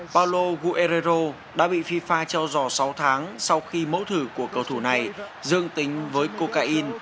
paulo vieirero đã bị fifa treo giò sáu tháng sau khi mẫu thử của cầu thủ này dương tính với coca in